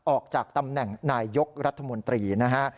ออกจากตำแหน่งนายยกรัฐมนตรีนะฮะ